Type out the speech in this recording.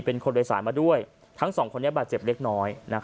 เป็นคนโดยสาหารทั้งของเด็กนึงบาดเจ็บเล็กน้อย